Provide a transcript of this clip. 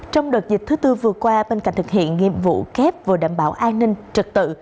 trong đợt dịch thứ tư vừa qua bên cạnh thực hiện nhiệm vụ kép vừa đảm bảo an ninh trật tự